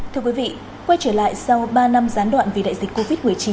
thưa quý vị quay trở lại sau ba năm gián đoạn vì đại dịch covid một mươi chín